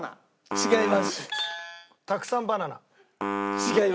違います。